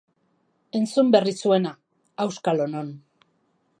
Entzun berri zuena... auskalo non.